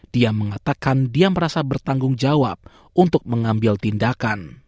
dia mengatakan dia merasa bertanggung jawab untuk mengambil tindakan